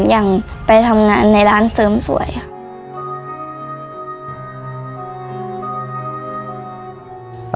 อย่างไปทำงานในร้านเสริมสวยค่ะ